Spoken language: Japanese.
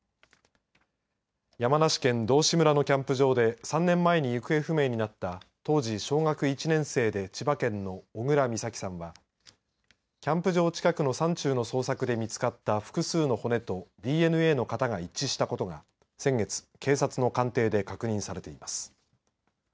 山梨県道志村のキャンプ場で３年前に行方不明になった当時小学１年生で千葉県の小倉美咲さんはキャンプ場近くの山中の捜索で見つかった複数の骨とＤＮＡの型が一致したことが先月警察の鑑定で確認されています。